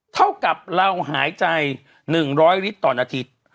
เท่ากับเราหายใจ๑๐๐ลิตรต่อนาที